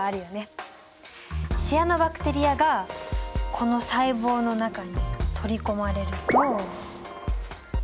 シアノバクテリアがこの細胞の中に取り込まれると。